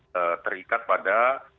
selalu terikat pada